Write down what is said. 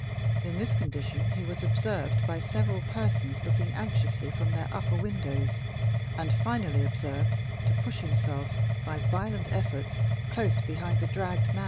In this condition he was observed by several persons looking anxiously from their upper windows, and finally observed to push himself, by violent efforts, close behind the dragged man.